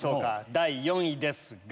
第４位ですが。